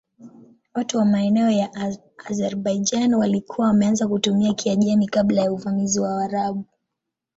Watu wa maeneo ya Azerbaijan walikuwa wameanza kutumia Kiajemi kabla ya uvamizi wa Waarabu.